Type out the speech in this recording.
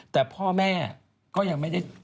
แต่พ่อแม่ก็ยังไม่ได้